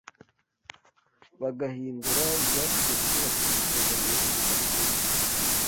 bagahindura ibyategetswe bakica isezerano ridakuka.